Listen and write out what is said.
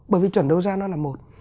bởi vì chuẩn đấu ra nó là một